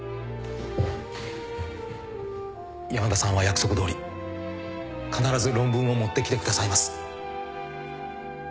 山田さんは約束どおり必ず論文を持ってきてくださいます。